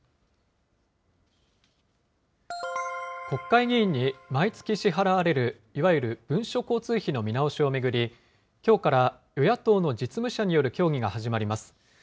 国会議員に毎月支払われる、いわゆる文書交通費の見直しを巡り、きょうから与野党の実務者による協議が始まります。